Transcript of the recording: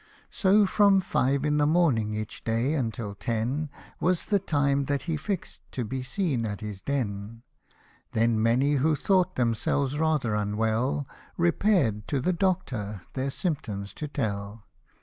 So from five in the morning each day until ten, Was the time that he fix'd, to be seen at his den. Then many who thought themselves rather unwell, Repair'd to the Doctor, their symptoms to tell.